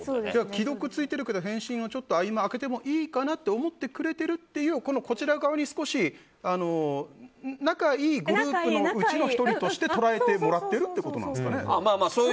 既読ついてるけど返信は、ちょっと合間空けてもいいかなって思ってくれてるこちら側に、少し仲いいグループのうちの１人として捉えてもらってるってことなんですか。